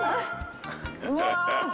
うわ！